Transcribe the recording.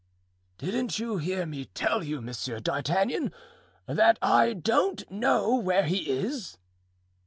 "Didn't you hear me tell you, Monsieur d'Artagnan, that I don't know where he is?"